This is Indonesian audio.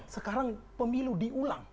sekarang pemilu diulang